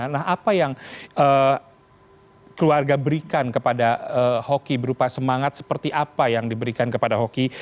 nah apa yang keluarga berikan kepada hoki berupa semangat seperti apa yang diberikan kepada hoki